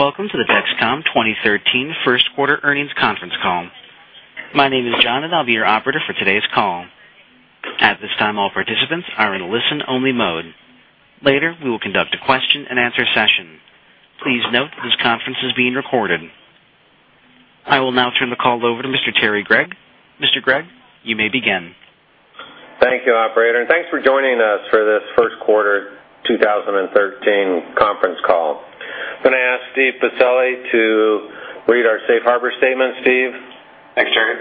Welcome to the Dexcom 2013 first quarter earnings conference call. My name is John, and I'll be your Operator for today's call. At this time, all participants are in listen-only mode. Later, we will conduct a question-and-answer session. Please note that this conference is being recorded. I will now turn the call over to Mr. Terry Gregg. Mr. Gregg, you may begin. Thank you, Operator, and thanks for joining us for this first quarter 2013 conference call. I'm going to ask Steve Pacelli to read our safe harbor statement. Steve? Thanks, Terry.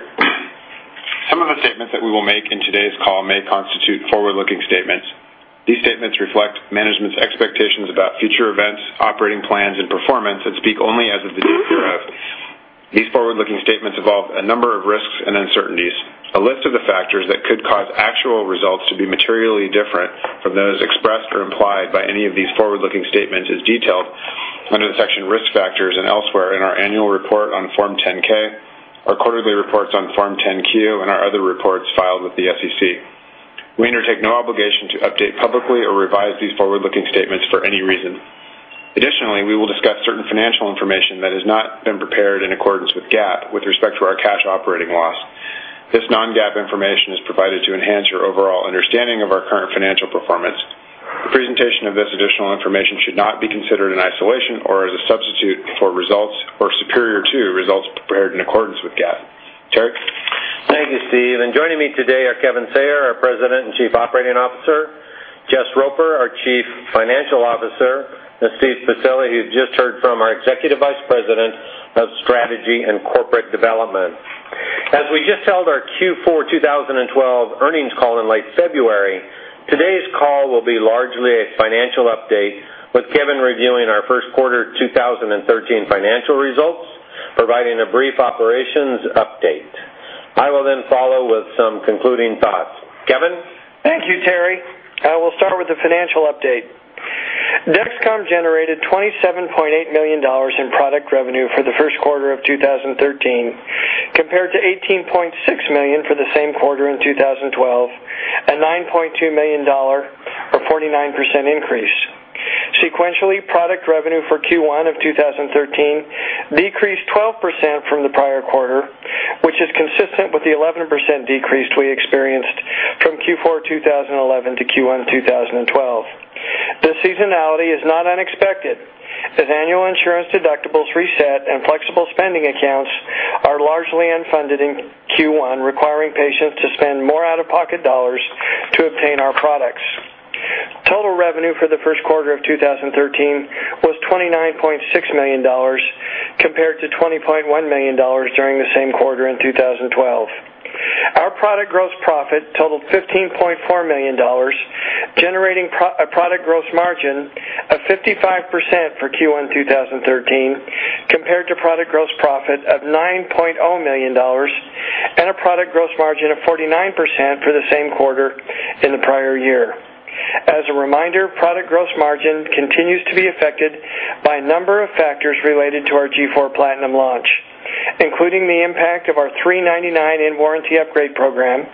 Some of the statements that we will make in today's call may constitute forward-looking statements. These statements reflect management's expectations about future events, operating plans, and performance and speak only as of the date thereof. These forward-looking statements involve a number of risks and uncertainties. A list of the factors that could cause actual results to be materially different from those expressed or implied by any of these forward-looking statements is detailed under the section Risk Factors and elsewhere in our annual report on Form 10-K, our quarterly reports on Form 10-Q, and our other reports filed with the SEC. We undertake no obligation to update publicly or revise these forward-looking statements for any reason. Additionally, we will discuss certain financial information that has not been prepared in accordance with GAAP with respect to our cash operating loss. This Non-GAAP information is provided to enhance your overall understanding of our current financial performance. The presentation of this additional information should not be considered in isolation or as a substitute for results or superior to results prepared in accordance with GAAP. Terry? Thank you, Steve. Joining me today are Kevin Sayer, our President and Chief Operating Officer, Jess Roper, our Chief Financial Officer, and Steve Pacelli, who you've just heard from, our Executive Vice President of Strategy and Corporate Development. As we just held our Q4 2012 earnings call in late February, today's call will be largely a financial update, with Kevin reviewing our first quarter 2013 financial results, providing a brief operations update. I will then follow with some concluding thoughts. Kevin? Thank you, Terry. I will start with the financial update. Dexcom generated $27.8 million in product revenue for the first quarter of 2013 compared to $18.6 million for the same quarter in 2012, a $9.2 million or 49% increase. Sequentially, product revenue for Q1 of 2013 decreased 12% from the prior quarter, which is consistent with the 11% decrease we experienced from Q4 2011 to Q1 2012. This seasonality is not unexpected, as annual insurance deductibles reset and flexible spending accounts are largely unfunded in Q1, requiring patients to spend more out-of-pocket dollars to obtain our products. Total revenue for the first quarter of 2013 was $29.6 million compared to $20.1 million during the same quarter in 2012. Our product gross profit totaled $15.4 million, generating a product gross margin of 55% for Q1 2013 compared to product gross profit of $9 million and a product gross margin of 49% for the same quarter in the prior year. As a reminder, product gross margin continues to be affected by a number of factors related to our G4 PLATINUM launch, including the impact of our $399 in-warranty upgrade program,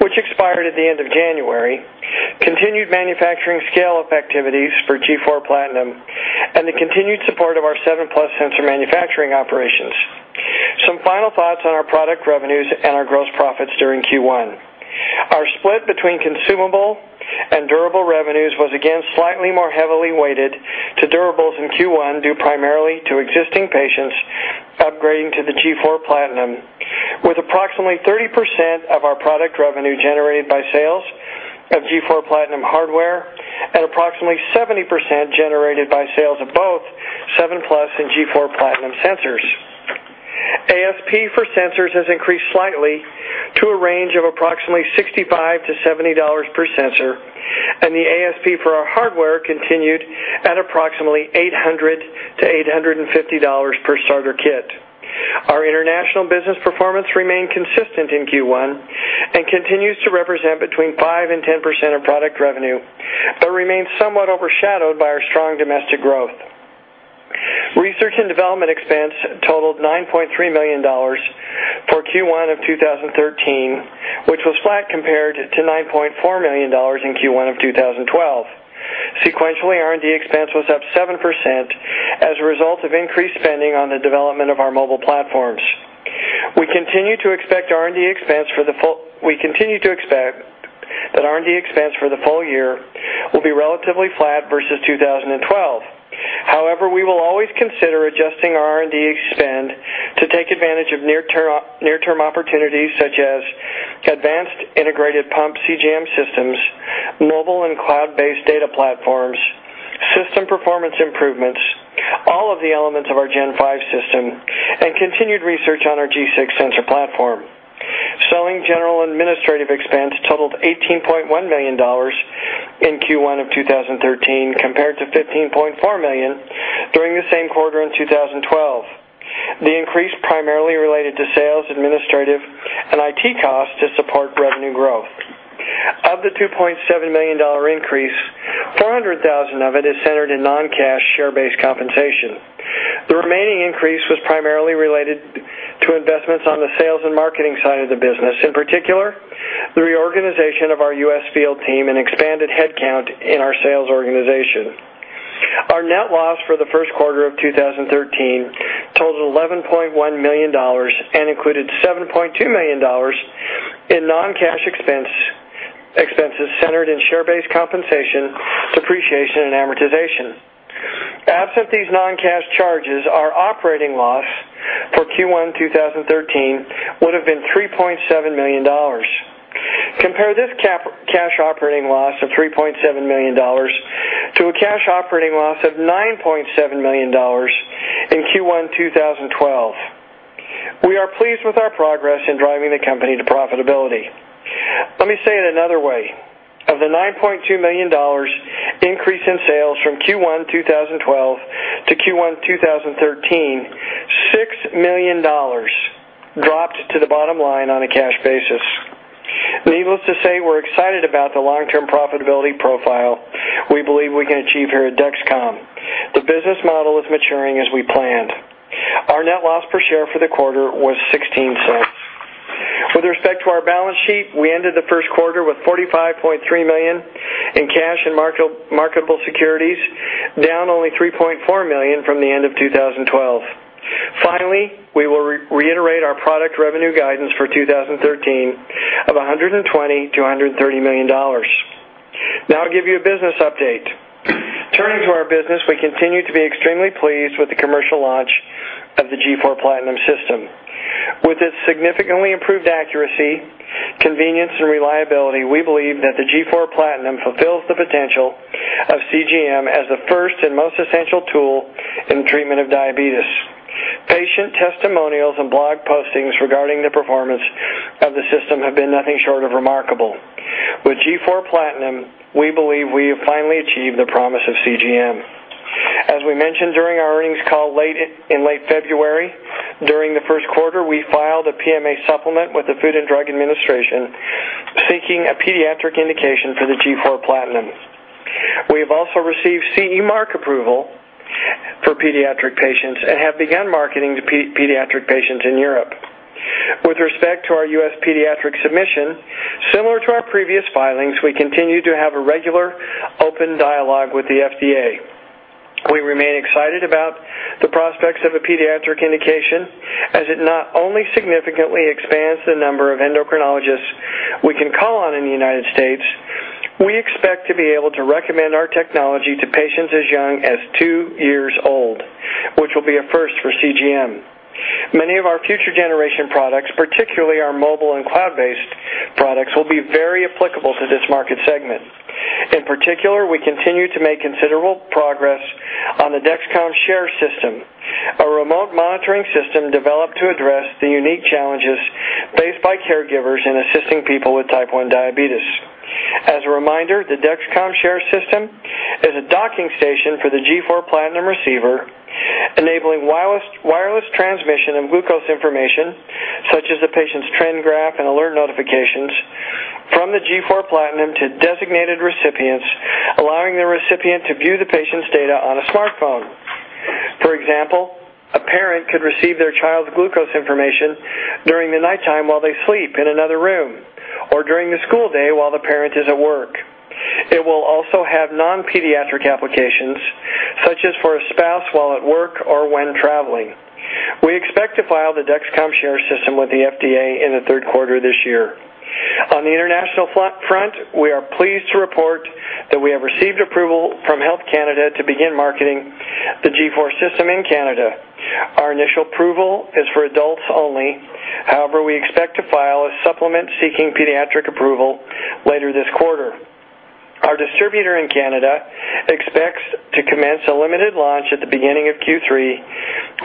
which expired at the end of January, continued manufacturing scale-up activities for G4 PLATINUM and the continued support of our Seven Plus sensor manufacturing operations. Some final thoughts on our product revenues and our gross profits during Q1. Our split between consumable and durable revenues was again slightly more heavily weighted to durables in Q1, due primarily to existing patients upgrading to the G4 PLATINUM, with approximately 30% of our product revenue generated by sales of G4 PLATINUM hardware and approximately 70% generated by sales of both Seven Plus and G4 PLATINUM sensors. ASP for sensors has increased slightly to a range of approximately $65-$70 per sensor, and the ASP for our hardware continued at approximately $800-$850 per starter kit. Our international business performance remained consistent in Q1 and continues to represent between 5%-10% of product revenue, but remains somewhat overshadowed by our strong domestic growth. Research and development expense totaled $9.3 million for Q1 of 2013, which was flat compared to $9.4 million in Q1 of 2012. Sequentially, R&D expense was up 7% as a result of increased spending on the development of our mobile platforms. We continue to expect that R&D expense for the full year will be relatively flat versus 2012. However, we will always consider adjusting our R&D spend to take advantage of near-term opportunities such as advanced integrated pump CGM systems, mobile and cloud-based data platforms, system performance improvements, all of the elements of our Gen 5 system, and continued research on our G6 sensor platform. Selling, general, and administrative expense totaled $18.1 million in Q1 of 2013 compared to $15.4 million during the same quarter in 2012. The increase primarily related to sales, administrative, and IT costs to support revenue growth. Of the $2.7 million increase, $400,000 of it is centered in non-cash share-based compensation. The remaining increase was primarily related to investments on the sales and marketing side of the business. In particular, the reorganization of our U.S. field team and expanded headcount in our sales organization. Our net loss for the first quarter of 2013 totaled $11.1 million and included $7.2 million in non-cash expenses centered in share-based compensation, depreciation, and amortization. Absent these non-cash charges, our operating loss for Q1 2013 would have been $3.7 million. Compare this cash operating loss of $3.7 million to a cash operating loss of $9.7 million in Q1 2012. We are pleased with our progress in driving the company to profitability. Let me say it another way. Of the $9.2 million increase in sales from Q1 2012 to Q1 2013, $6 million dropped to the bottom line on a cash basis. Needless to say, we're excited about the long-term profitability profile we believe we can achieve here at Dexcom. The business model is maturing as we planned. Our net loss per share for the quarter was $0.16. With respect to our balance sheet, we ended the first quarter with $45.3 million in cash and marketable securities, down only $3.4 million from the end of 2012. Finally, we will reiterate our product revenue guidance for 2013 of $120-$130 million. Now to give you a business update. Turning to our business, we continue to be extremely pleased with the commercial launch of the G4 PLATINUM system. With its significantly improved accuracy, convenience, and reliability, we believe that the G4 PLATINUM fulfills the potential of CGM as the first and most essential tool in the treatment of diabetes. Patient testimonials and blog postings regarding the performance of the system have been nothing short of remarkable. With G4 PLATINUM, we believe we have finally achieved the promise of CGM. As we mentioned during our earnings call late in late February, during the first quarter, we filed a PMA supplement with the Food and Drug Administration seeking a pediatric indication for the G4 PLATINUM. We have also received CE mark approval for pediatric patients and have begun marketing to pediatric patients in Europe. With respect to our U.S. pediatric submission, similar to our previous filings, we continue to have a regular open dialogue with the FDA. We remain excited about the prospects of a pediatric indication, as it not only significantly expands the number of endocrinologists we can call on in the United States. We expect to be able to recommend our technology to patients as young as two years old, which will be a first for CGM. Many of our future generation products, particularly our mobile and cloud-based products, will be very applicable to this market segment. In particular, we continue to make considerable progress on the Dexcom Share system, a remote monitoring system developed to address the unique challenges faced by caregivers in assisting people with Type 1 diabetes. As a reminder, the Dexcom Share system is a docking station for the G4 PLATINUM receiver, enabling wireless transmission and glucose information, such as the patient's trend graph and alert notifications, from the G4 PLATINUM to designated recipients, allowing the recipient to view the patient's data on a smartphone. For example, a parent could receive their child's glucose information during the nighttime while they sleep in another room, or during the school day while the parent is at work. It will also have non-pediatric applications, such as for a spouse while at work or when traveling. We expect to file the Dexcom Share system with the FDA in the third quarter this year. On the international front, we are pleased to report that we have received approval from Health Canada to begin marketing the G4 system in Canada. Our initial approval is for adults only. However, we expect to file a supplement seeking pediatric approval later this quarter. Our distributor in Canada expects to commence a limited launch at the beginning of Q three,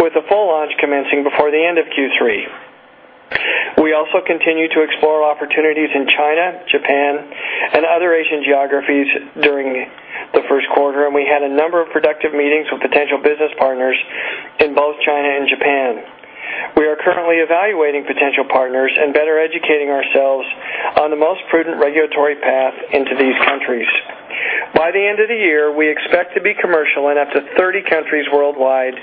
with a full launch commencing before the end of Q three. We also continue to explore opportunities in China, Japan, and other Asian geographies during the first quarter, and we had a number of productive meetings with potential business partners in both China and Japan. We are currently evaluating potential partners and better educating ourselves on the most prudent regulatory path into these countries. By the end of the year, we expect to be commercial in up to 30 countries worldwide,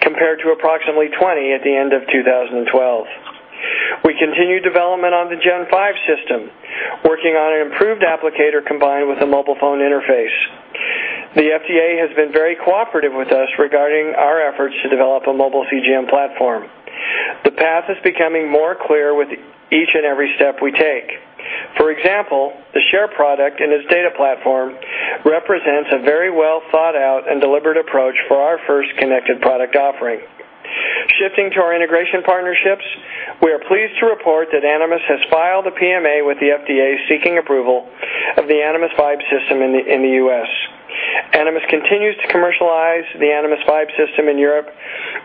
compared to approximately 20 at the end of 2012. We continue development on the Gen 5 system, working on an improved applicator combined with a mobile phone interface. The FDA has been very cooperative with us regarding our efforts to develop a mobile CGM platform. The path is becoming more clear with each and every step we take. For example, the Share product and its data platform represents a very well thought out and deliberate approach for our first connected product offering. Shifting to our integration partnerships, we are pleased to report that Animas has filed a PMA with the FDA seeking approval of the Animas Vibe system in the U.S.. Animas continues to commercialize the Animas Vibe system in Europe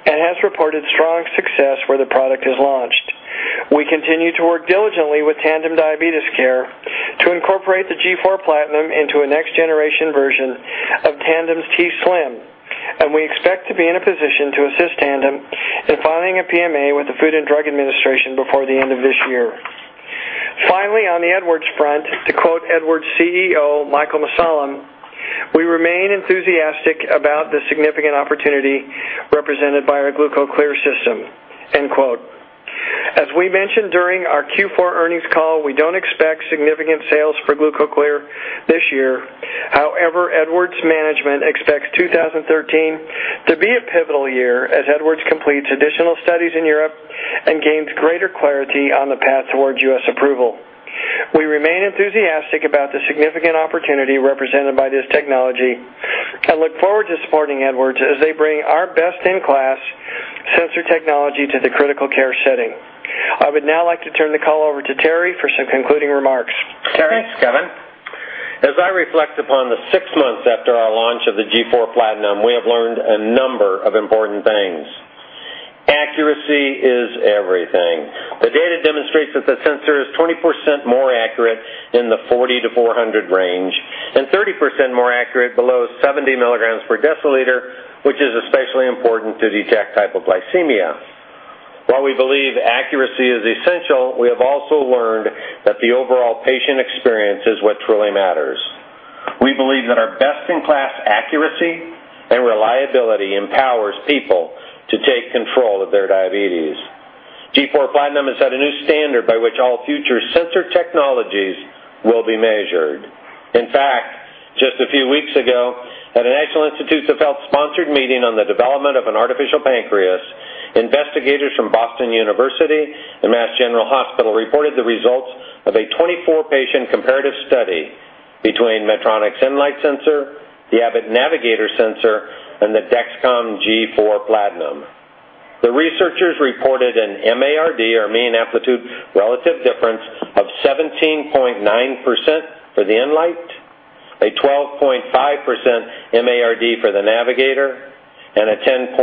and has reported strong success where the product is launched. We continue to work diligently with Tandem Diabetes Care to incorporate the G4 PLATINUM into a next generation version of Tandem's t:slim, and we expect to be in a position to assist Tandem in filing a PMA with the Food and Drug Administration before the end of this year. Finally, on the Edwards front, to quote Edwards CEO Michael A. Mussallem. We remain enthusiastic about the significant opportunity represented by our GlucoClear system, end quote. As we mentioned during our Q4 earnings call, we don't expect significant sales for GlucoClear this year. However, Edwards' management expects 2013 to be a pivotal year as Edwards completes additional studies in Europe and gains greater clarity on the path towards U.S. approval. We remain enthusiastic about the significant opportunity represented by this technology and look forward to supporting Edwards as they bring our best-in-class sensor technology to the critical care setting. I would now like to turn the call over to Terry for some concluding remarks. Terry? Thanks, Kevin. As I reflect upon the six months after our launch of the G4 PLATINUM, we have learned a number of important things. Accuracy is everything. The data demonstrates that the sensor is 24% more accurate in the 40-400 range, and 30% more accurate below 70 milligrams per deciliter, which is especially important to detect hypoglycemia. While we believe accuracy is essential, we have also learned that the overall patient experience is what truly matters. We believe that our best-in-class accuracy and reliability empowers people to take control of their diabetes. G4 PLATINUM has set a new standard by which all future sensor technologies will be measured. In fact, just a few weeks ago, at a National Institutes of Health-sponsored meeting on the development of an artificial pancreas, investigators from Boston University and Massachusetts General Hospital reported the results of a 24-patient comparative study between Medtronic's Enlite sensor, the Abbott FreeStyle Navigator sensor, and the Dexcom G4 PLATINUM. The researchers reported an MARD, or mean absolute relative difference, of 17.9% for the Enlite, a 12.5% MARD for the FreeStyle Navigator, and a 10.8%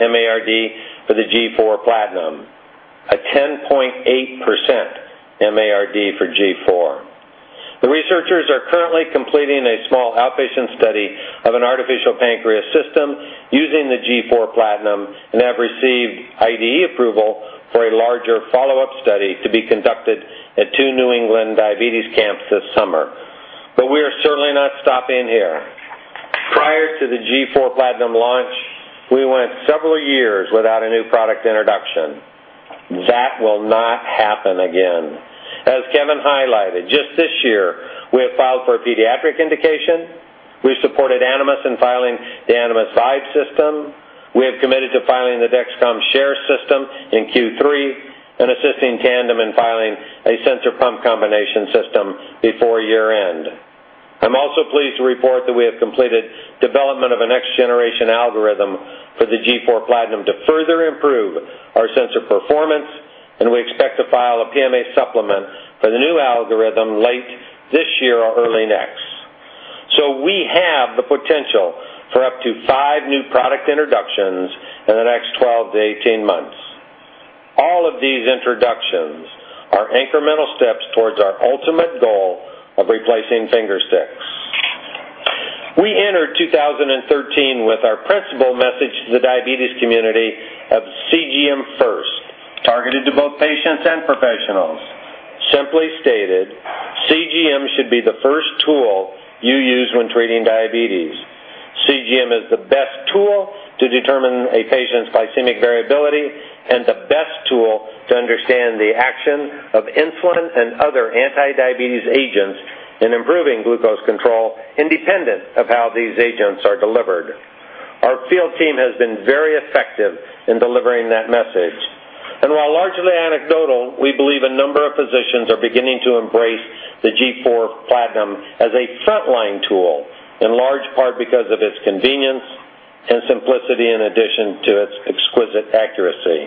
MARD for the G4 PLATINUM. A 10.8% MARD for G4. The researchers are currently completing a small outpatient study of an artificial pancreas system using the G4 PLATINUM, and have received IDE approval for a larger follow-up study to be conducted at two New England diabetes camps this summer. We are certainly not stopping here. Prior to the G4 PLATINUM launch, we went several years without a new product introduction. That will not happen again. As Kevin highlighted, just this year we have filed for a pediatric indication. We supported Animas in filing the Animas Vibe system. We have committed to filing the Dexcom Share system in Q3 and assisting Tandem in filing a sensor-pump combination system before year-end. I'm also pleased to report that we have completed development of a next-generation algorithm for the G4 PLATINUM to further improve our sensor performance, and we expect to file a PMA supplement for the new algorithm late this year or early next. We have the potential for up to five new product introductions in the next 12-18 months. All of these introductions are incremental steps towards our ultimate goal of replacing finger sticks. We entered 2013 with our principal message to the diabetes community of CGM first, targeted to both patients and professionals. Simply stated, CGM should be the first tool you use when treating diabetes. CGM is the best tool to determine a patient's glycemic variability, and the best tool to understand the action of insulin and other anti-diabetes agents in improving glucose control independent of how these agents are delivered. Our field team has been very effective in delivering that message. While largely anecdotal, we believe a number of physicians are beginning to embrace the G4 PLATINUM as a frontline tool, in large part because of its convenience and simplicity, in addition to its exquisite accuracy.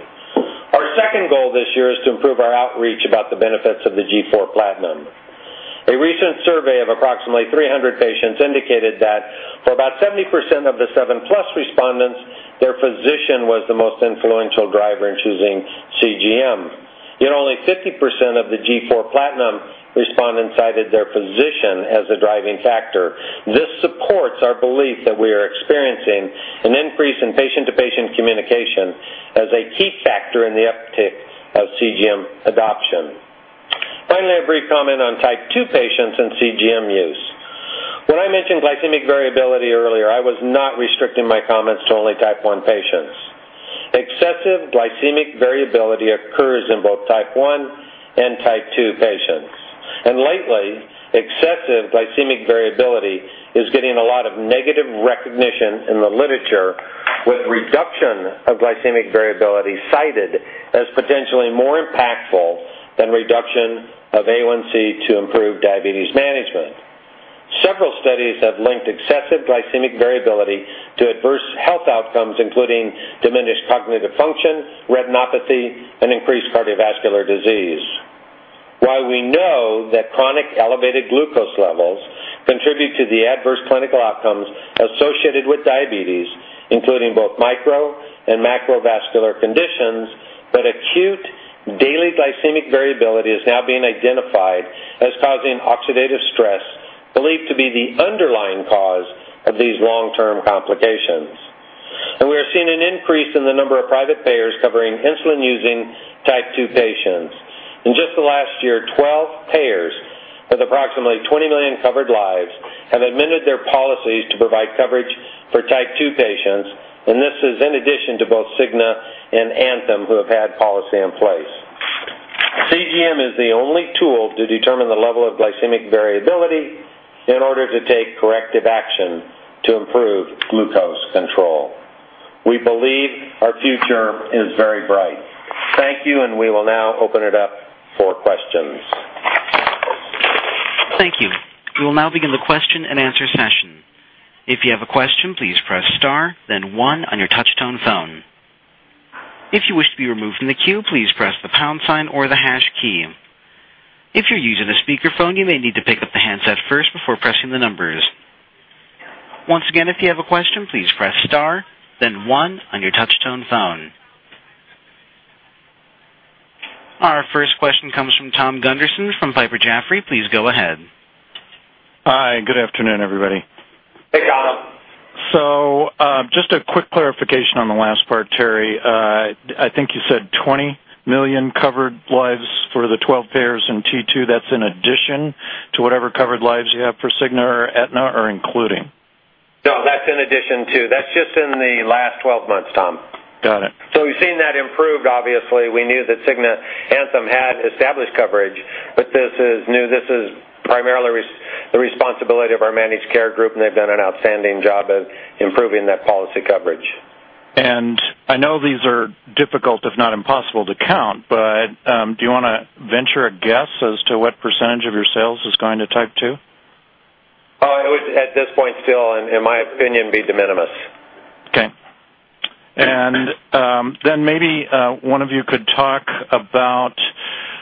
Our second goal this year is to improve our outreach about the benefits of the G4 PLATINUM. A recent survey of approximately 300 patients indicated that for about 70% of the Seven Plus respondents, their physician was the most influential driver in choosing CGM. Yet only 50% of the G4 PLATINUM respondents cited their physician as a driving factor. This supports our belief that we are experiencing an increase in patient-to-patient communication as a key factor in the uptick of CGM adoption. Finally, a brief comment on Type 2 patients and CGM use. When I mentioned glycemic variability earlier, I was not restricting my comments to only Type 1 patients. Excessive glycemic variability occurs in both Type 1 and Type 2 patients. Lately, excessive glycemic variability is getting a lot of negative recognition in the literature, with reduction of glycemic variability cited as potentially more impactful than reduction of A1C to improve diabetes management. Several studies have linked excessive glycemic variability to adverse health outcomes, including diminished cognitive function, retinopathy, and increased cardiovascular disease. While we know that chronic elevated glucose levels contribute to the adverse clinical outcomes associated with diabetes, including both micro and macrovascular conditions. Acute daily glycemic variability is now being identified as causing oxidative stress, believed to be the underlying cause of these long-term complications. Increase in the number of private payers covering insulin-using Type 2 patients. In just the last year, 12 payers with approximately 20 million covered lives have amended their policies to provide coverage for Type 2 patients, and this is in addition to both Cigna and Anthem, who have had policy in place. CGM is the only tool to determine the level of glycemic variability in order to take corrective action to improve glucose control. We believe our future is very bright. Thank you, and we will now open it up for questions. Thank you. We will now begin the question-and-answer session. If you have a question, please press star then one on your touchtone phone. If you wish to be removed from the queue, please press the pound sign or the hash key. If you're using a speakerphone, you may need to pick up the handset first before pressing the numbers. Once again, if you have a question, please press star then one on your touchtone phone. Our first question comes from Thomas Gunderson from Piper Jaffray. Please go ahead. Hi, good afternoon, everybody. Hey, Tom. just a quick clarification on the last part, Terry. I think you said 20 million covered lives for the 12 payers in T2. That's in addition to whatever covered lives you have for Cigna or Aetna, or including? No, that's in addition to. That's just in the last 12 months, Tom. Got it. We've seen that improved. Obviously, we knew that Cigna, Anthem had established coverage, but this is new. This is primarily the responsibility of our managed care group, and they've done an outstanding job of improving that policy coverage. I know these are difficult, if not impossible to count, but do you wanna venture a guess as to what percentage of your sales is going to Type 2? It would, at this point, still, in my opinion, be de minimis. One of you could talk about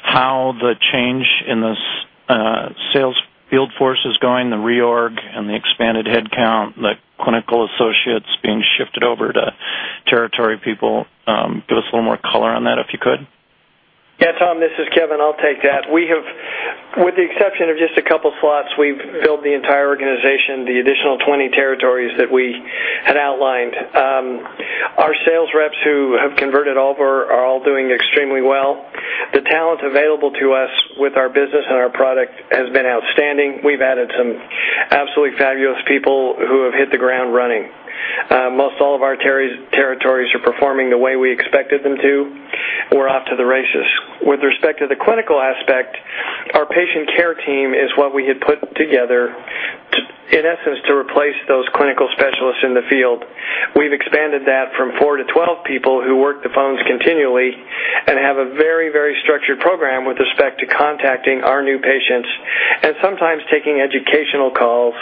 how the change in the sales field force is going, the reorg and the expanded headcount, the clinical associates being shifted over to territory people. Give us a little more color on that if you could. Yeah, Tom, this is Kevin. I'll take that. With the exception of just a couple slots, we've built the entire organization, the additional 20 territories that we had outlined. Our sales reps who have converted over are all doing extremely well. The talent available to us with our business and our product has been outstanding. We've added some absolutely fabulous people who have hit the ground running. Most all of our territories are performing the way we expected them to. We're off to the races. With respect to the clinical aspect, our patient care team is what we had put together to, in essence, to replace those clinical specialists in the field. We've expanded that from 4-12 people who work the phones continually and have a very, very structured program with respect to contacting our new patients and sometimes taking educational calls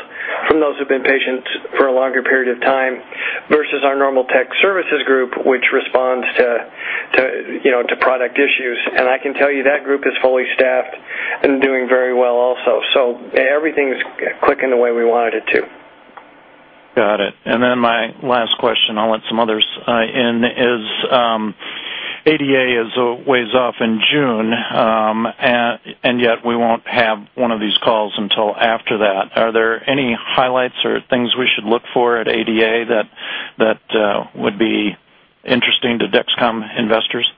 from those who've been patients for a longer period of time versus our normal tech services group, which responds to, you know, product issues. I can tell you that group is fully staffed and doing very well also. Everything's clicking the way we wanted it to. Got it. My last question, I'll let some others in, is ADA a ways off in June, and yet we won't have one of these calls until after that. Are there any highlights or things we should look for at ADA that would be interesting to Dexcom investors?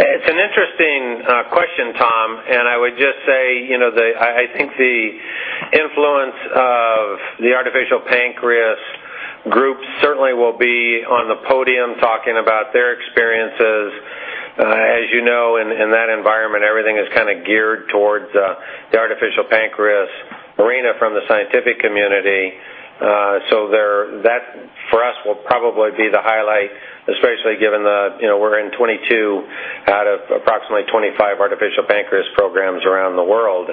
It's an interesting question, Tom. I would just say you know, I think the influence of the artificial pancreas group certainly will be on the podium talking about their experiences. As you know, in that environment, everything is kind of geared towards the artificial pancreas arena from the scientific community. That for us will probably be the highlight, especially given you know, we're in 22 out of approximately 25 artificial pancreas programs around the world.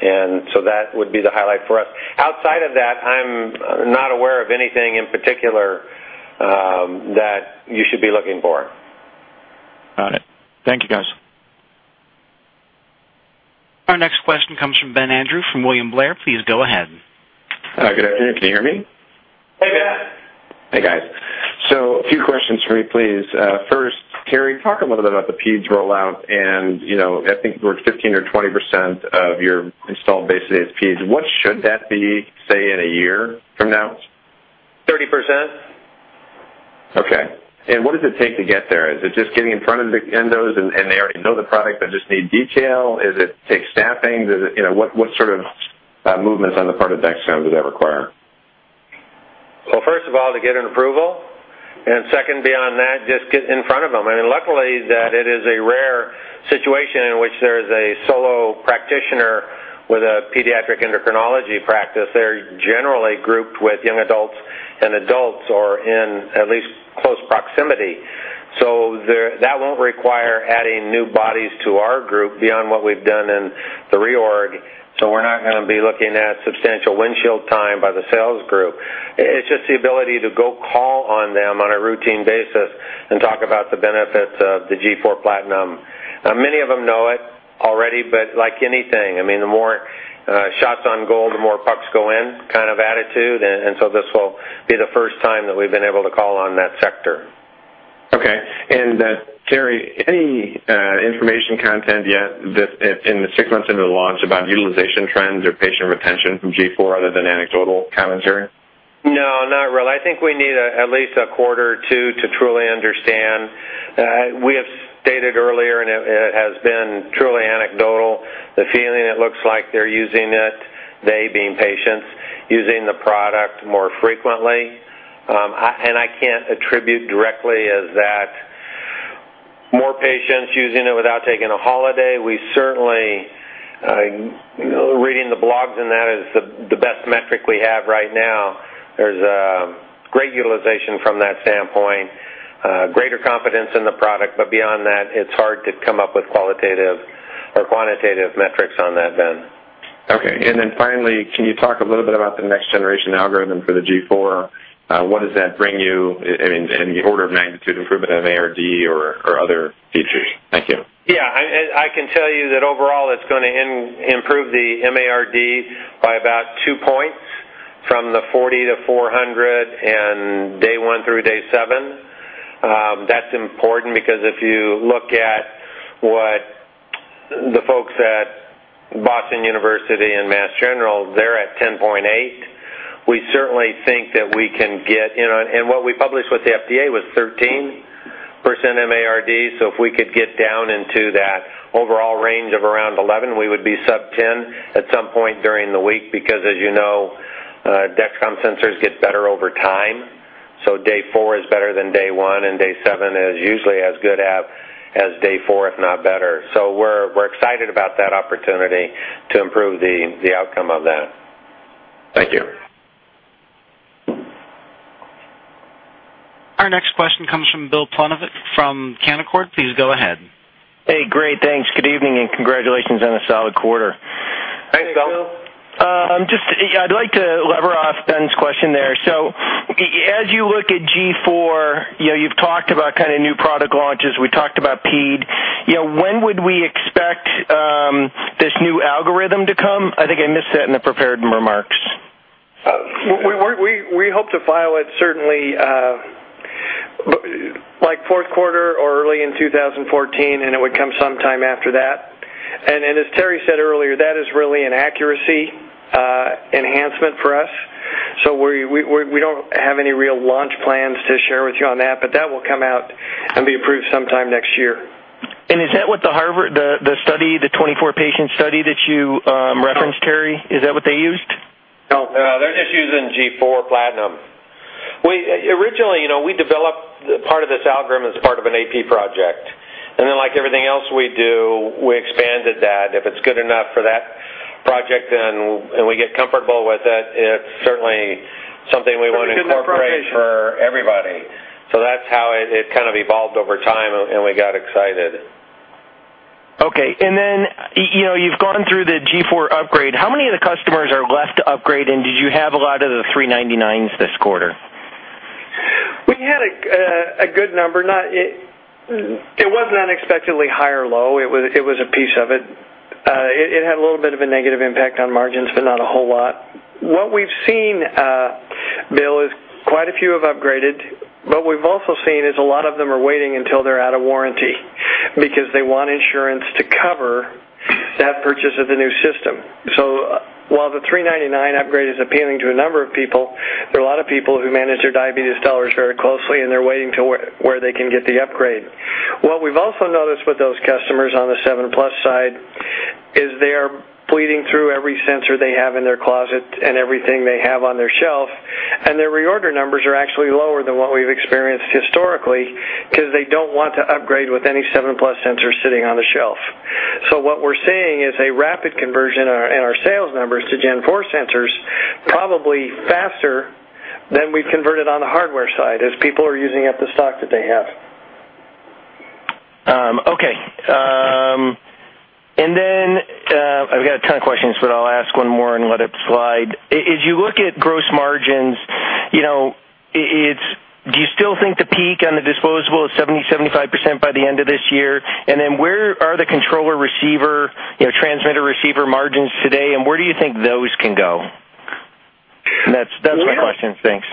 That would be the highlight for us. Outside of that, I'm not aware of anything in particular that you should be looking for. Got it. Thank you, guys. Our next question comes from Ben Andrew from William Blair. Please go ahead. Good afternoon. Can you hear me? Hey, Ben. Hey, guys. A few questions for me, please. First, Terry, talk a little bit about the peds rollout and, you know, I think it was 15% or 20% of your installed base is peds. What should that be, say, in a year from now? 30%. Okay. What does it take to get there? Is it just getting in front of the endos and they already know the product, they just need detail? Is it take staffing? Does it, you know, what sort of movements on the part of Dexcom does that require? Well, first of all, to get an approval. Second, beyond that, just get in front of them. Luckily, that it is a rare situation in which there is a solo practitioner with a pediatric endocrinology practice. They're generally grouped with young adults and adults or in at least close proximity. That won't require adding new bodies to our group beyond what we've done in the reorg. We're not gonna be looking at substantial windshield time by the sales group. It's just the ability to go call on them on a routine basis and talk about the benefits of the G4 PLATINUM. Now many of them know it already, but like anything, I mean, the more shots on goal, the more pucks go in kind of attitude. And so this will be the first time that we've been able to call on that sector. Terry, any information content yet that in the six months into the launch about utilization trends or patient retention from G4 other than anecdotal commentary? No, not really. I think we need at least a quarter or two to truly understand. We have stated earlier, and it has been truly anecdotal, the feeling it looks like they're using it, they being patients, using the product more frequently. And I can't attribute directly as that more patients using it without taking a holiday. We certainly reading the blogs, and that is the best metric we have right now. There's great utilization from that standpoint, greater confidence in the product. But beyond that, it's hard to come up with qualitative or quantitative metrics on that, Ben. Okay. Then finally, can you talk a little bit about the next generation algorithm for the G4? What does that bring you in the order of magnitude improvement in MARD or other features? Thank you. Yeah. I can tell you that overall it's gonna improve the MARD by about two points from the 40 to 400 and day one through day seven. That's important because if you look at what the folks at Boston University and Mass General, they're at 10.8. We certainly think that we can get, you know. What we published with the FDA was 13% MARD. If we could get down into that overall range of around 11, we would be sub 10 at some point during the week because as you know, Dexcom sensors get better over time. Day four is better than day one, and day seven is usually as good as day four, if not better. We're excited about that opportunity to improve the outcome of that. Thank you. Our next question comes from Bill Plovanic from Canaccord. Please go ahead. Hey, great, thanks. Good evening, and congratulations on a solid quarter. Thanks, Bill. I'd like to leverage off Ben's question there. As you look at G4, you know, you've talked about kind of new product launches. We talked about PED. You know, when would we expect this new algorithm to come? I think I missed that in the prepared remarks. We hope to file it certainly, like fourth quarter or early in 2014, and it would come sometime after that. Then as Terry said earlier, that is really an accuracy enhancement for us. We don't have any real launch plans to share with you on that, but that will come out and be approved sometime next year. Is that what the Harvard, the study, the 24-patient study that you referenced, Terry? Is that what they used? No. They're just using G4 PLATINUM. We originally, you know, we developed part of this algorithm as part of an AP project. Like everything else we do, we expanded that. If it's good enough for that project and we get comfortable with it's certainly something we want to incorporate for everybody. That's how it kind of evolved over time, and we got excited. Okay. You know, you've gone through the G4 upgrade. How many of the customers are left to upgrade, and did you have a lot of the 399s this quarter? We had a good number. It wasn't unexpectedly high or low. It was a piece of it. It had a little bit of a negative impact on margins, but not a whole lot. What we've seen, Bill, is quite a few have upgraded, but we've also seen a lot of them are waiting until they're out of warranty because they want insurance to cover that purchase of the new system. While the $399 upgrade is appealing to a number of people, there are a lot of people who manage their diabetes dollars very closely, and they're waiting until they can get the upgrade. What we've also noticed with those customers on the Seven Plus side is they are bleeding through every sensor they have in their closet and everything they have on their shelf, and their reorder numbers are actually lower than what we've experienced historically because they don't want to upgrade with any Seven Plus sensor sitting on the shelf. What we're seeing is a rapid conversion in our sales numbers to Gen 4 sensors, probably faster than we've converted on the hardware side as people are using up the stock that they have. I've got a ton of questions, but I'll ask one more and let it slide. As you look at gross margins, you know, it's do you still think the peak on the disposable is 70%-75% by the end of this year? And then where are the controller receiver, you know, transmitter receiver margins today, and where do you think those can go? That's my question. Thanks.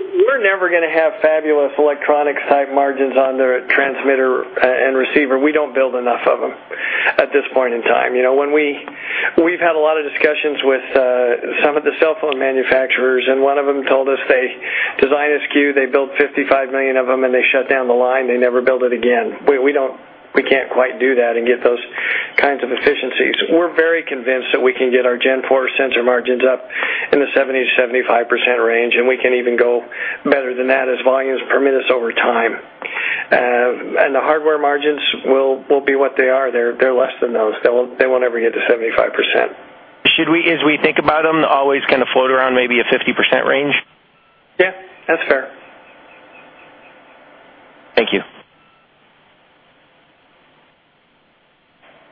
We're never gonna have fabulous electronic type margins on the transmitter and receiver. We don't build enough of them at this point in time. We've had a lot of discussions with some of the cell phone manufacturers, and one of them told us they design a SKU, they build 55 million of them, and they shut down the line. They never build it again. We can't quite do that and get those kinds of efficiencies. We're very convinced that we can get our Gen 4 sensor margins up in the 70%-75% range, and we can even go better than that as volumes permit us over time. The hardware margins will be what they are. They're less than those. They won't ever get to 75%. As we think about them, always kind of float around maybe a 50% range? Yeah, that's fair. Thank you.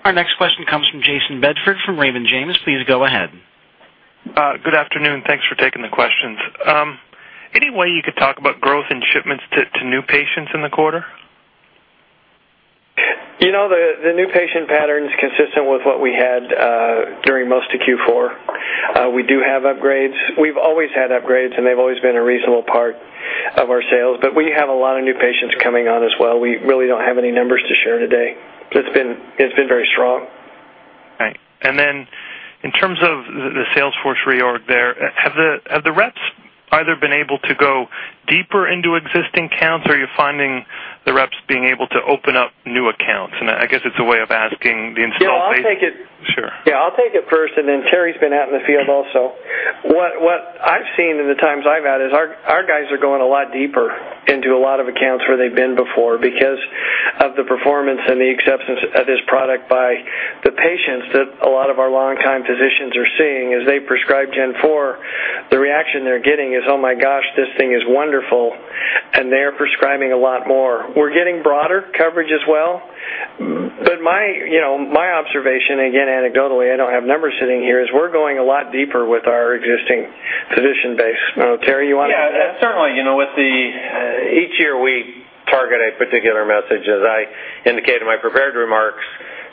Our next question comes from Jason Bedford from Raymond James. Please go ahead. Good afternoon. Thanks for taking the questions. Any way you could talk about growth in shipments to new patients in the quarter? You know, the new patient pattern's consistent with what we had during most of Q4. We do have upgrades. We've always had upgrades, and they've always been a reasonable part of our sales, but we have a lot of new patients coming on as well. We really don't have any numbers to share today. It's been very strong. Right. In terms of the sales force reorg there, have the reps either been able to go deeper into existing accounts? Are you finding the reps being able to open up new accounts? I guess it's a way of asking the installed base. Yeah, I'll take it. Sure. Yeah, I'll take it first, and then Terry's been out in the field also. What I've seen in the times I've had is our guys are going a lot deeper into a lot of accounts where they've been before because of the performance and the acceptance of this product by the patients that a lot of our longtime physicians are seeing. As they prescribe G4, the reaction they're getting is, "Oh my gosh, this thing is wonderful." They're prescribing a lot more. We're getting broader coverage as well. Mm-hmm. My, you know, my observation, again, anecdotally, I don't have numbers sitting here, is we're going a lot deeper with our existing physician base. Terry, you wanna add to that? Yeah. Certainly, you know, with each year we target a particular message. As I indicated in my prepared remarks,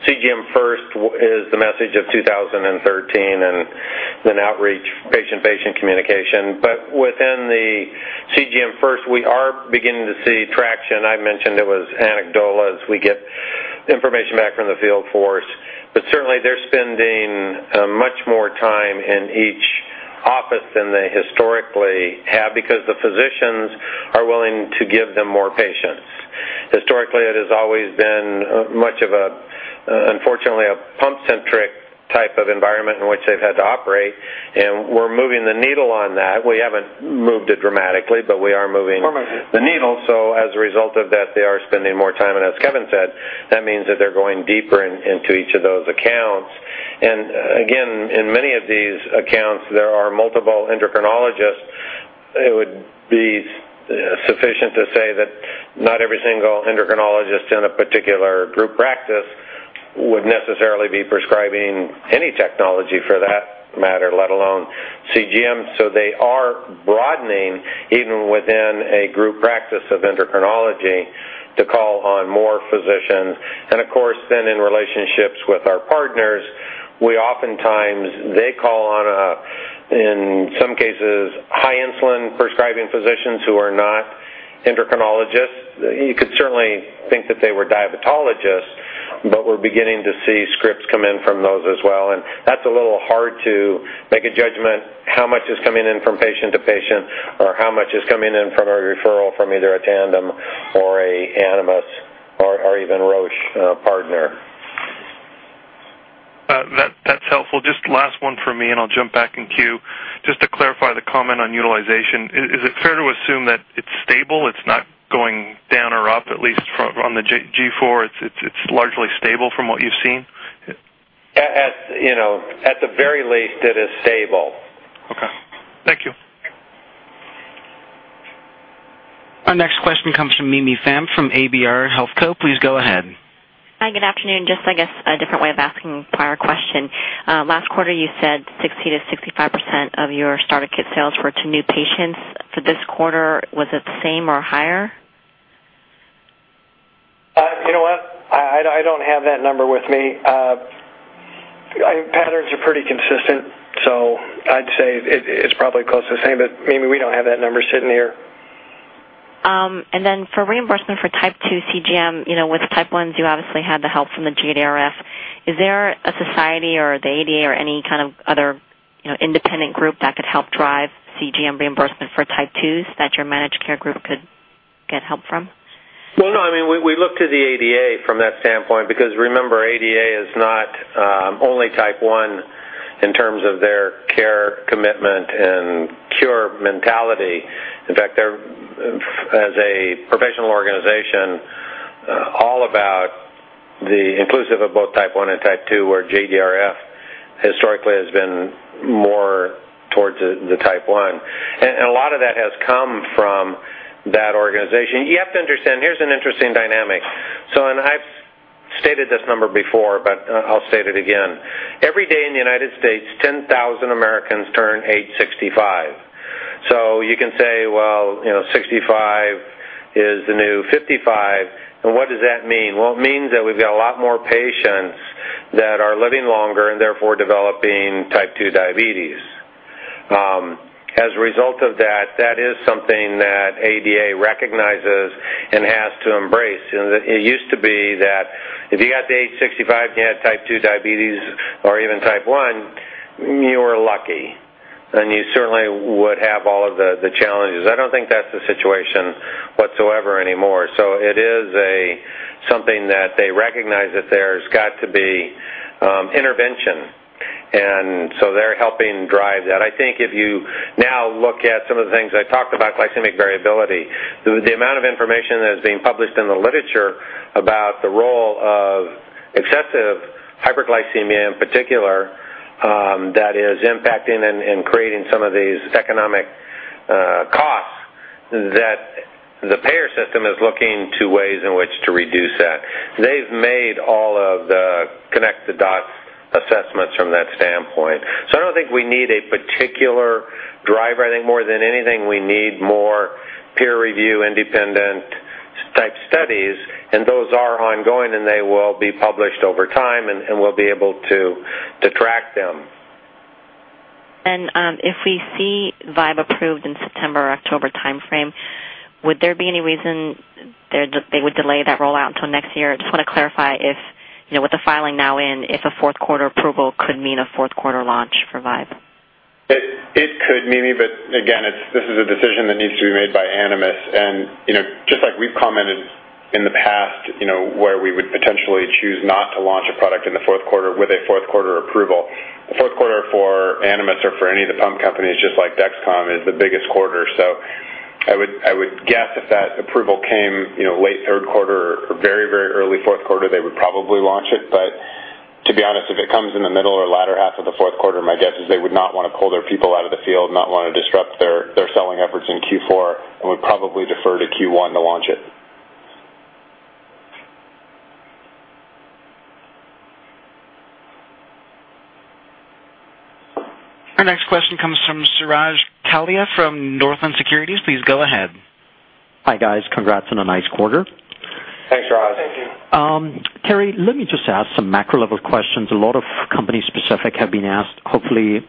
CGM first is the message of 2013, and then outreach patient-patient communication. Within the CGM first, we are beginning to see traction. I mentioned it was anecdotal as we get information back from the field force. Certainly, they're spending much more time in each office than they historically have because the physicians are willing to give them more patients. Historically, it has always been much of a, unfortunately, a pump-centric type of environment in which they've had to operate, and we're moving the needle on that. We haven't moved it dramatically, but we are moving the needle. As a result of that, they are spending more time. As Kevin said, that means that they're going deeper into each of those accounts. Again, in many of these accounts, there are multiple endocrinologists. It would be sufficient to say that not every single endocrinologist in a particular group practice would necessarily be prescribing any technology for that matter, let alone CGM. They are broadening even within a group practice of endocrinology to call on more physicians. Of course, then in relationships with our partners, we oftentimes, they call on a, in some cases, high insulin prescribing physicians who are not endocrinologists. You could certainly think that they were diabetologists, but we're beginning to see scripts come in from those as well. That's a little hard to make a judgment how much is coming in from patient to patient or how much is coming in from a referral from either a Tandem or Animas or even Roche partner. That's helpful. Just last one for me, and I'll jump back in queue. Just to clarify the comment on utilization, is it fair to assume that it's stable? It's not going down or up, at least from on the G4? It's largely stable from what you've seen? You know, at the very least, it is stable. Okay. Thank you. Our next question comes from Mimi Pham from ABR Healthco. Please go ahead. Hi, good afternoon. Just, I guess a different way of asking prior question. Last quarter you said 60%-65% of your starter kit sales were to new patients. For this quarter, was it the same or higher? You know what? I don't have that number with me. Patterns are pretty consistent, so I'd say it's probably close to the same. Mimi, we don't have that number sitting here. For reimbursement for Type Two CGM. You know, with Type Ones, you obviously had the help from the JDRF. Is there a society or the ADA or any kind of other, you know, independent group that could help drive CGM reimbursement for Type Twos that your managed care group could get help from? Well, no, I mean, we look to the ADA from that standpoint because remember, ADA is not only Type One in terms of their care commitment and cure mentality. In fact, they're, as a professional organization, all about the inclusive of both Type One and Type Two, where JDRF historically has been more towards the Type One. A lot of that has come from that organization. You have to understand, here's an interesting dynamic. I've stated this number before, but I'll state it again. Every day in the United States, 10,000 Americans turn age 65. You can say, well, you know, 65 is the new 55. What does that mean? Well, it means that we've got a lot more patients that are living longer and therefore developing Type Two diabetes. As a result of that is something that ADA recognizes and has to embrace. It used to be that if you got to age 65 and you had Type 2 diabetes or even Type 1, you were lucky, and you certainly would have all of the challenges. I don't think that's the situation whatsoever anymore. It is something that they recognize that there's got to be intervention, and so they're helping drive that. I think if you now look at some of the things I talked about, glycemic variability. The amount of information that is being published in the literature about the role of excessive hyperglycemia in particular, that is impacting and creating some of these economic costs that the payer system is looking to ways in which to reduce that. They've made all of the connect-the-dots assessments from that standpoint. I don't think we need a particular driver. I think more than anything, we need more peer review, independent type studies, and those are ongoing, and they will be published over time, and we'll be able to track them. If we see Vibe approved in September or October timeframe, would there be any reason they would delay that rollout until next year? Just wanna clarify if, you know, with the filing now in, if a fourth quarter approval could mean a fourth quarter launch for Vibe. It could, Mimi. Again, it's this is a decision that needs to be made by Animas. You know, just like we've commented in the past, you know, where we would potentially choose not to launch a product in the fourth quarter with a fourth quarter approval. Fourth quarter for Animas or for any of the pump companies, just like Dexcom, is the biggest quarter. I would guess if that approval came, you know, late third quarter or very, very early fourth quarter, they would probably launch it. To be honest, if it comes in the middle or latter half of the fourth quarter, my guess is they would not wanna pull their people out of the field, not wanna disrupt their selling efforts in Q4, and would probably defer to Q1 to launch it. Our next question comes from Suraj Kalia from Northland Securities. Please go ahead. Hi, guys. Congrats on a nice quarter. Thanks, Suraj. Thank you. Terry, let me just ask some macro-level questions. A lot of company specific have been asked. Hopefully,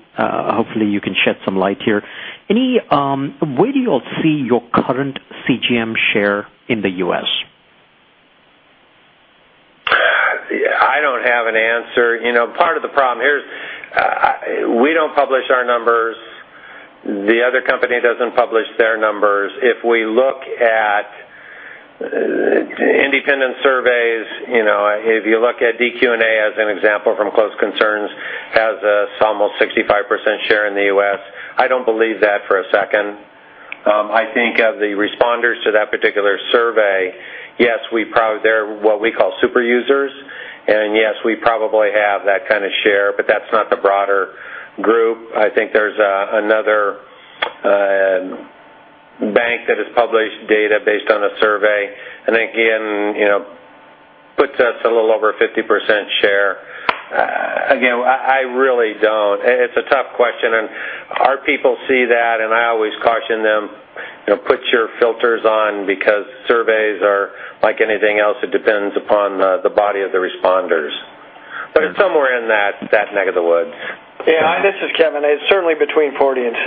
you can shed some light here. Where do you all see your current CGM share in the U.S.? I don't have an answer. You know, part of the problem here is, we don't publish our numbers. The other company doesn't publish their numbers. If we look at independent surveys, you know, if you look at dQ&A as an example from Close Concerns, has some 65% share in the U.S. I don't believe that for a second. I think of the responders to that particular survey, yes, they're what we call super users. Yes, we probably have that kinda share, but that's not the broader group. I think there's another bank that has published data based on a survey, and again, you know, puts us a little over 50% share. Again, I really don't. It's a tough question, and our people see that, and I always caution them, you know, put your filters on because surveys are like anything else. It depends upon the body of the responders. Somewhere in that neck of the woods. Yeah. This is Kevin. It's certainly between 40 and 60.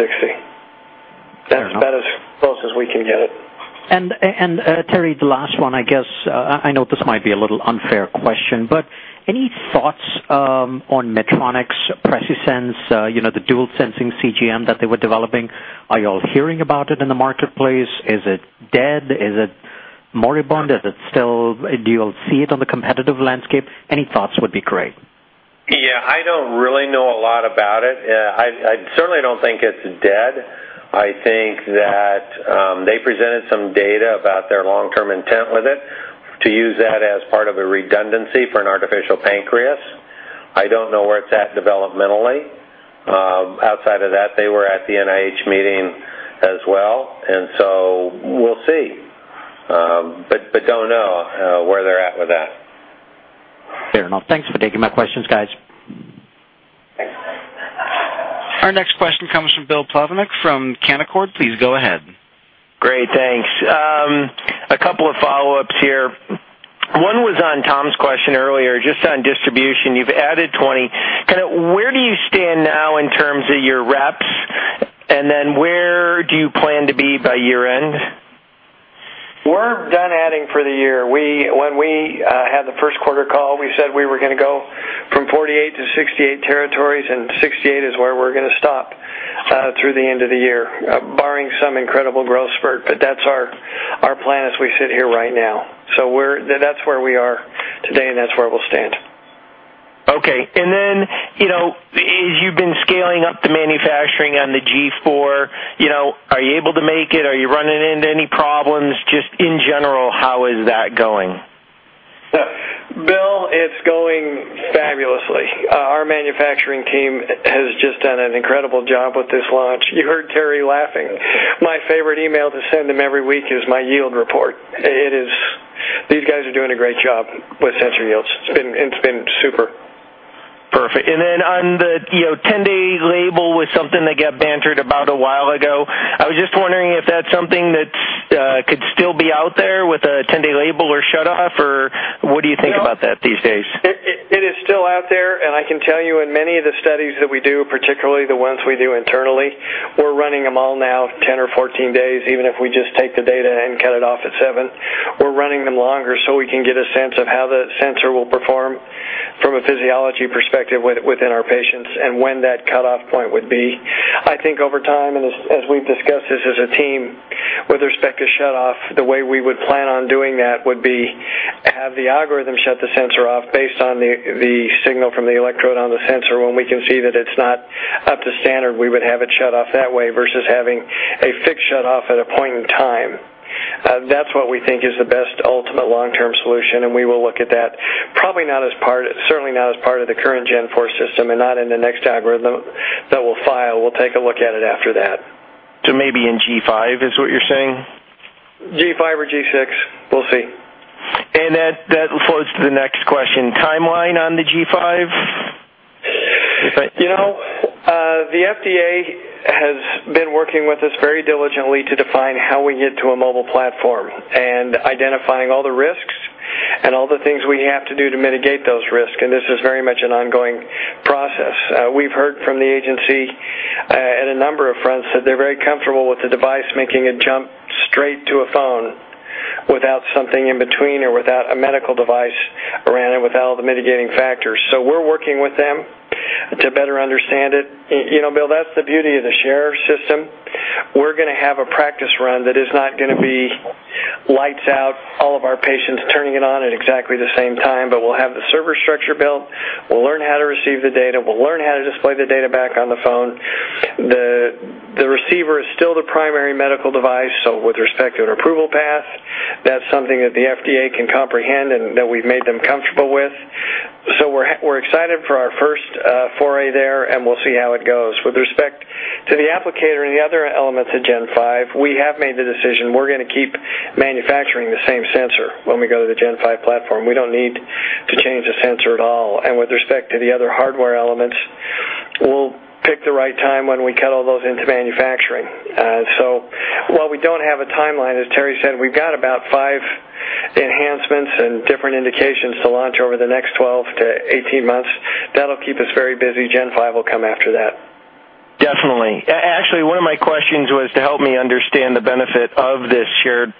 Fair enough. That's about as close as we can get it. Terry, the last one, I guess, I know this might be a little unfair question, but any thoughts on Medtronic's Precise Sense, you know, the dual sensing CGM that they were developing? Are you all hearing about it in the marketplace? Is it dead? Is it moribund? Is it still? Do you all see it on the competitive landscape? Any thoughts would be great. Yeah. I don't really know a lot about it. I certainly don't think it's dead. I think that they presented some data about their long-term intent with it to use that as part of a redundancy for an artificial pancreas. I don't know where it's at developmentally. Outside of that, they were at the NIH meeting as well. We'll see. But don't know where they're at with that. Fair enough. Thanks for taking my questions, guys. Thanks. Our next question comes from Bill Plovanic from Canaccord. Please go ahead. Great. Thanks. A couple of follow-ups here. One was on Tom's question earlier, just on distribution. You've added 20. Kinda where do you stand now in terms of your reps? And then where do you plan to be by year-end? We're done adding for the year. When we had the first quarter call, we said we were gonna go from 48 to 68 territories, and 68 is where we're gonna stop through the end of the year, barring some incredible growth spurt. But that's our plan as we sit here right now. That's where we are today, and that's where we'll stand. Okay. You know, as you've been scaling up the manufacturing on the G4, you know, are you able to make it? Are you running into any problems? Just in general, how is that going? Bill, it's going fabulously. Our manufacturing team has just done an incredible job with this launch. You heard Terry laughing. My favorite email to send him every week is my yield report. It is. These guys are doing a great job with sensor yields. It's been super. Perfect. On the, you know, 10-day label was something that got bandied about a while ago. I was just wondering if that's something that could still be out there with a 10-day label or shutoff, or what do you think about that these days? It is still out there. I can tell you in many of the studies that we do, particularly the ones we do internally, we're running them all now 10 or 14 days, even if we just take the data and cut it off at 7. We're running them longer so we can get a sense of how the sensor will perform from a physiology perspective within our patients and when that cutoff point would be. I think over time, and as we've discussed this as a team with respect to shutoff, the way we would plan on doing that would be have the algorithm shut the sensor off based on the signal from the electrode on the sensor. When we can see that it's not up to standard, we would have it shut off that way versus having a fixed shutoff at a point in time. That's what we think is the best ultimate long-term solution, and we will look at that. Probably not as part of the current Gen 4 system and not in the next algorithm that we'll file. We'll take a look at it after that. Maybe in G5 is what you're saying? G5 or G6. We'll see. That flows to the next question. Timeline on the G5? You know, the FDA has been working with us very diligently to define how we get to a mobile platform and identifying all the risks and all the things we have to do to mitigate those risks. This is very much an ongoing process. We've heard from the agency, in a number of fronts that they're very comfortable with the device making a jump straight to a phone without something in between or without a medical device around it, without all the mitigating factors. We're working with them to better understand it. You know, Bill, that's the beauty of the Share system. We're gonna have a practice run that is not gonna be lights out, all of our patients turning it on at exactly the same time, but we'll have the server structure built. We'll learn how to receive the data. We'll learn how to display the data back on the phone. The receiver is still the primary medical device, so with respect to an approval path, that's something that the FDA can comprehend and that we've made them comfortable with. We're excited for our first foray there, and we'll see how it goes. With respect to the applicator and the other elements of Gen 5, we have made the decision, we're gonna keep manufacturing the same sensor when we go to the Gen 5 platform. We don't need to change the sensor at all. With respect to the other hardware elements, we'll pick the right time when we cut all those into manufacturing. While we don't have a timeline, as Terry said, we've got about five enhancements and different indications to launch over the next 12-18 months. That'll keep us very busy. Gen 5 will come after that. Definitely. Actually, one of my questions was to help me understand the benefit of this shared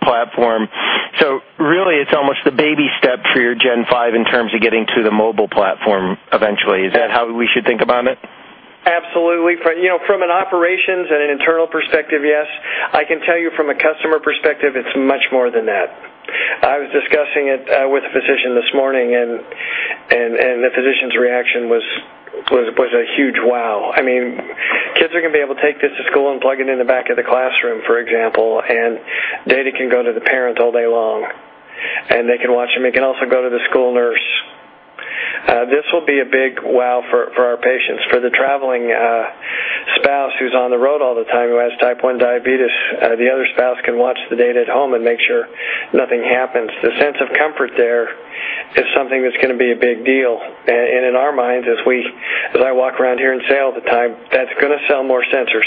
platform. Really it's almost the baby step for your Gen 5 in terms of getting to the mobile platform eventually. Is that how we should think about it? Absolutely. From you know, from an operations and an internal perspective, yes. I can tell you from a customer perspective, it's much more than that. I was discussing it with a physician this morning, and the physician's reaction was a huge wow. I mean, kids are gonna be able to take this to school and plug it in the back of the classroom, for example, and data can go to the parent all day long, and they can watch them. It can also go to the school nurse. This will be a big wow for our patients. For the traveling spouse who's on the road all the time who has Type 1 diabetes, the other spouse can watch the data at home and make sure nothing happens. The sense of comfort there is something that's gonna be a big deal. In our minds, as I walk around here and say all the time, that's gonna sell more sensors.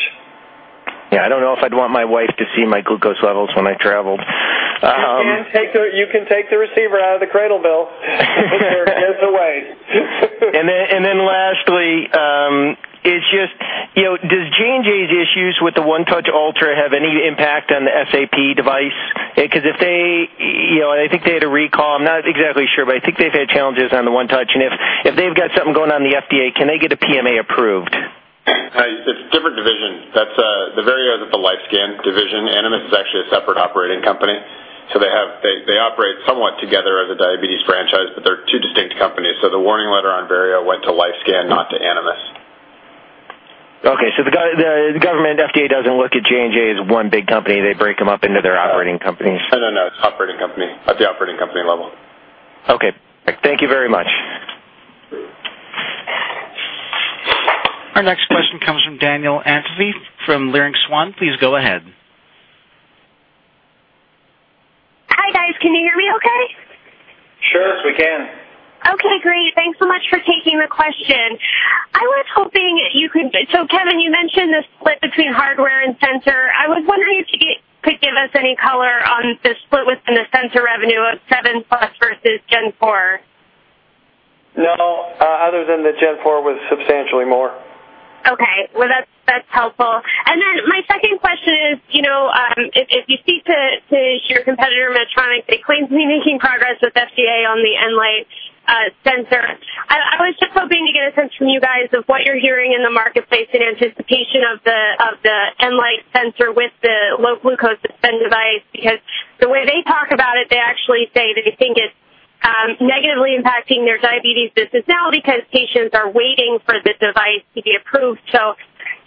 Yeah. I don't know if I'd want my wife to see my glucose levels when I traveled. You can take the receiver out of the cradle, Bill. There it gives away. Lastly, it's just, you know, does J&J's issues with the OneTouch Verio have any impact on the SAP device? Because if they, you know, I think they had a recall, I'm not exactly sure, but I think they've had challenges on the OneTouch. If they've got something going on in the FDA, can they get a PMA approved? It's different divisions. That's the Verio is with the LifeScan division. Animas is actually a separate operating company. They operate somewhat together as a diabetes franchise, but they're two distinct companies. The warning letter on Verio went to LifeScan, not to Animas. The government FDA doesn't look at J&J as one big company. They break them up into their operating companies. No, no. It's operating company at the operating company level. Okay. Thank you very much. Our next question comes from Danielle Antalffy from Leerink Swann. Please go ahead. Hi, guys. Can you hear me okay? Sure. Yes, we can. Okay, great. Thanks so much for taking the question. Kevin, you mentioned the split between hardware and sensor. I was wondering if you could give us any color on the split within the sensor revenue of Seven Plus versus G4. No. Other than the G4 was substantially more. Well, that's helpful. Then my second question is, you know, if you speak to your competitor, Medtronic, it claims to be making progress with FDA on the Enlite sensor. I was just hoping to get a sense from you guys of what you're hearing in the marketplace in anticipation of the Enlite sensor with the Low Glucose Suspend device. Because the way they talk about it, they actually say they think it's negatively impacting their diabetes business now because patients are waiting for the device to be approved. So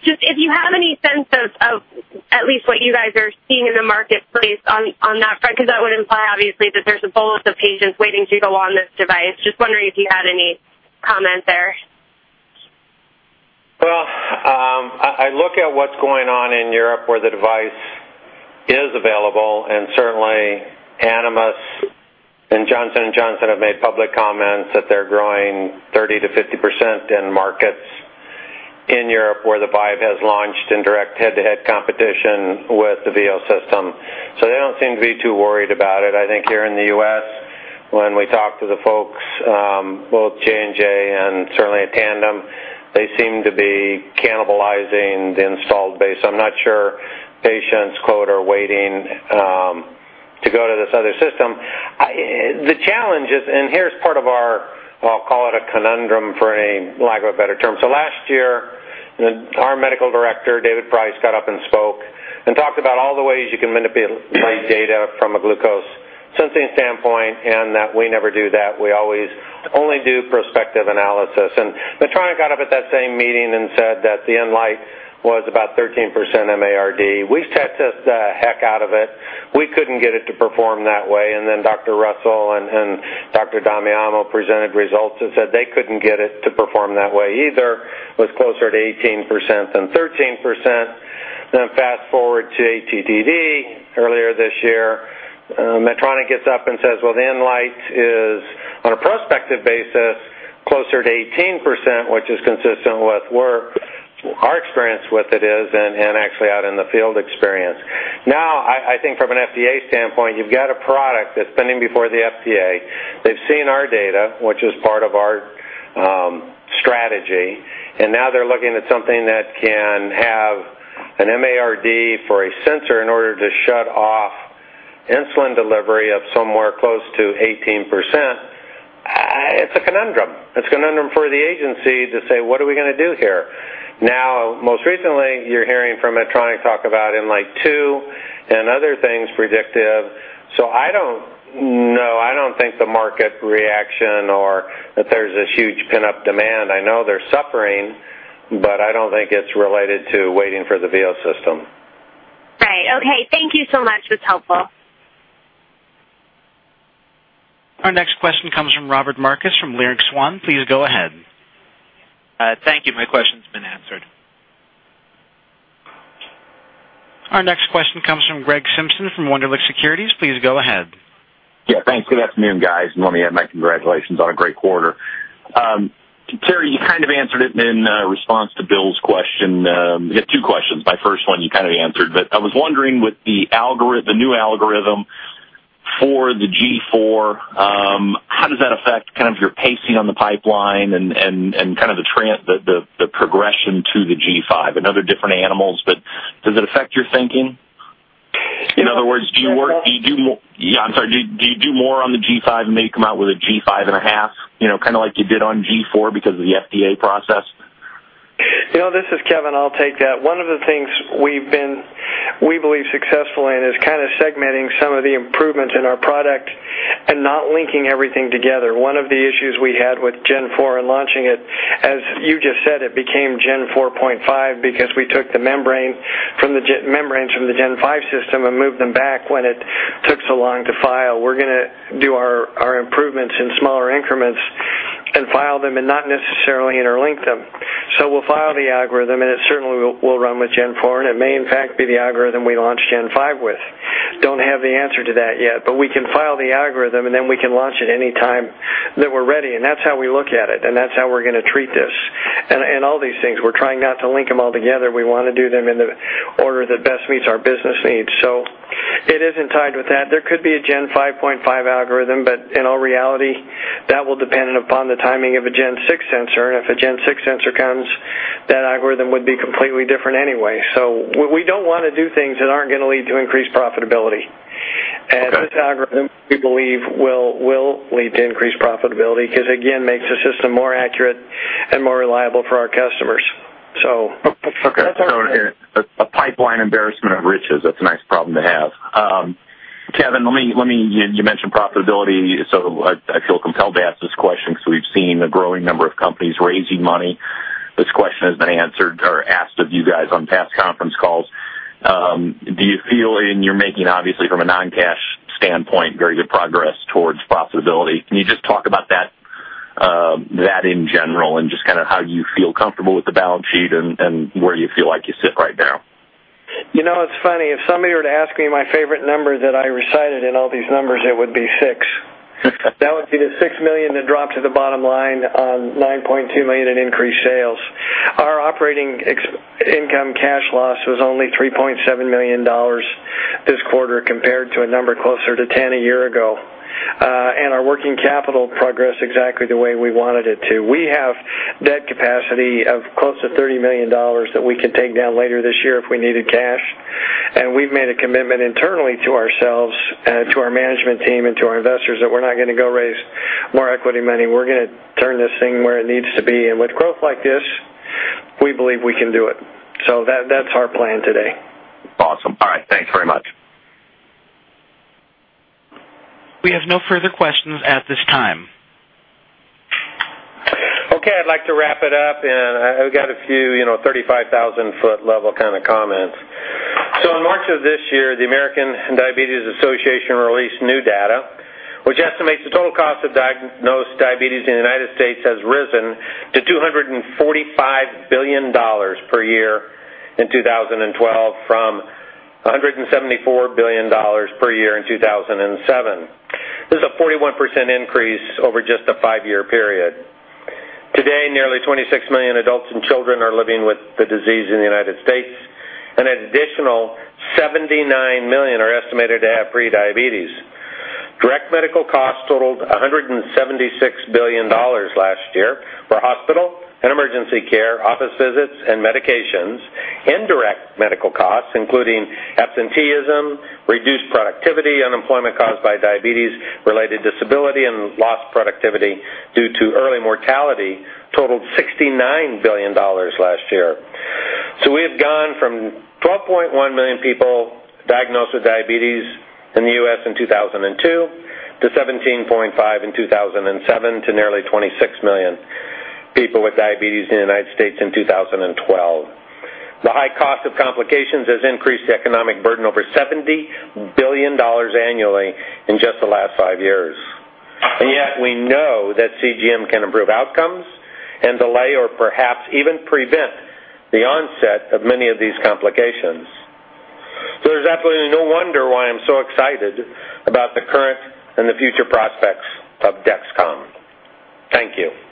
just if you have any sense of at least what you guys are seeing in the marketplace on that front, because that would imply, obviously, that there's a bulge of patients waiting to go on this device. Just wondering if you had any comment there. Well, I look at what's going on in Europe where the device is available, and certainly Animas and Johnson & Johnson have made public comments that they're growing 30%-50% in markets in Europe where the Vibe has launched in direct head-to-head competition with the Veo system. They don't seem to be too worried about it. I think here in the U.S., when we talk to the folks, both J&J and certainly Tandem, they seem to be cannibalizing the installed base. I'm not sure patients, quote, are waiting to go to this other system. The challenge is, and here's part of our, I'll call it a conundrum for a lack of a better term. Last year, our medical director, David Price, got up and spoke and talked about all the ways you can manipulate data from a glucose sensing standpoint, and that we never do that. We always only do prospective analysis. Medtronic got up at that same meeting and said that the Enlite was about 13% MARD. We've tested the heck out of it. We couldn't get it to perform that way. Dr. Russell and Dr. Damiano presented results that said they couldn't get it to perform that way either. It was closer to 18% than 13%. Fast-forward to ATTD earlier this year. Medtronic gets up and says, "Well, the Enlite is on a prospective basis, closer to 18%," which is consistent with where our experience with it is and actually out in the field experience. Now, I think from an FDA standpoint, you've got a product that's pending before the FDA. They've seen our data, which is part of our strategy, and now they're looking at something that can have a MARD for a sensor in order to shut off insulin delivery of somewhere close to 18%. It's a conundrum. It's a conundrum for the agency to say, "What are we gonna do here?" Now, most recently, you're hearing from Medtronic talk about Enlite 2 and other things predictive. I don't know. I don't think the market reaction or that there's this huge pent-up demand. I know they're suffering, but I don't think it's related to waiting for the Veo system. Right. Okay. Thank you so much. That's helpful. Our next question comes from Robert Marcus from Leerink Swann. Please go ahead. Thank you. My question's been answered. Our next question comes from Greg Simpson from Wunderlich Securities. Please go ahead. Yeah, thanks. Good afternoon, guys. Let me add my congratulations on a great quarter. Terry, you kind of answered it in response to Bill's question. I got two questions. My first one you kinda answered, but I was wondering, with the new algorithm for the G4, how does that affect kind of your pacing on the pipeline and kind of the progression to the G5? I know they're different animals, but does it affect your thinking? In other words, do you work- Yes, that's. Yeah, I'm sorry. Do you do more on the G5 and may come out with a G5 and a half? You know, kinda like you did on G4 because of the FDA process. You know, this is Kevin. I'll take that. One of the things we've been, we believe, successful in is kinda segmenting some of the improvements in our product and not linking everything together. One of the issues we had with Gen 4 and launching it, as you just said, it became Gen 4 point five because we took the membranes from the Gen 5 system and moved them back when it took so long to file. We're gonna do our improvements in smaller increments and file them and not necessarily interlink them. We'll file the algorithm, and it certainly will run with Gen 4, and it may, in fact, be the algorithm we launch Gen 5 with. Don't have the answer to that yet, but we can file the algorithm, and then we can launch it any time that we're ready, and that's how we look at it, and that's how we're gonna treat this. All these things, we're trying not to link them all together. We wanna do them in the order that best meets our business needs. It isn't tied with that. There could be a Gen 5.5 algorithm, but in all reality, that will depend upon the timing of a Gen 6 sensor, and if a Gen 6 sensor comes, that algorithm would be completely different anyway. We don't wanna do things that aren't gonna lead to increased profitability. Okay. This algorithm, we believe, will lead to increased profitability 'cause again makes the system more accurate and more reliable for our customers, so. Okay. A pipeline embarrassment of riches. That's a nice problem to have. Kevin, you mentioned profitability, so I feel compelled to ask this question 'cause we've seen a growing number of companies raising money. This question has been answered or asked of you guys on past conference calls. Do you feel, and you're making obviously from a non-cash standpoint, very good progress towards profitability. Can you just talk about that in general and just kinda how you feel comfortable with the balance sheet and where you feel like you sit right now? You know, it's funny. If somebody were to ask me my favorite number that I recited in all these numbers, it would be six. That would be the $6 million that dropped to the bottom line on $9.2 million in increased sales. Our operating income cash loss was only $3.7 million this quarter compared to a number closer to $10 million a year ago. Our working capital progressed exactly the way we wanted it to. We have debt capacity of close to $30 million that we can take down later this year if we needed cash. We've made a commitment internally to ourselves, to our management team and to our investors that we're not gonna go raise more equity money. We're gonna turn this thing where it needs to be. With growth like this, we believe we can do it. That's our plan today. Awesome. All right. Thanks very much. We have no further questions at this time. Okay, I'd like to wrap it up, and I've got a few, you know, 35,000-foot level kinda comments. In March of this year, the American Diabetes Association released new data which estimates the total cost of diagnosed diabetes in the United States has risen to $245 billion per year in 2012 from $174 billion per year in 2007. This is a 41% increase over just a 5-year period. Today, nearly 26 million adults and children are living with the disease in the United States, and an additional 79 million are estimated to have prediabetes. Direct medical costs totaled $176 billion last year for hospital and emergency care, office visits, and medications. Indirect medical costs, including absenteeism, reduced productivity, unemployment caused by diabetes-related disability, and lost productivity due to early mortality totaled $69 billion last year. We have gone from 12.1 million people diagnosed with diabetes in the U.S. in 2002 to 17.5 in 2007 to nearly 26 million people with diabetes in the United States in 2012. The high cost of complications has increased the economic burden over $70 billion annually in just the last five years. Yet we know that CGM can improve outcomes and delay or perhaps even prevent the onset of many of these complications. There's absolutely no wonder why I'm so excited about the current and the future prospects of Dexcom. Thank you.